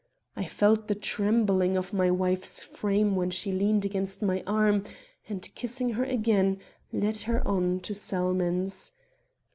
I felt the trembling of my wife's frame where she leaned against my arm, and kissing her again, led her on to Salmon's.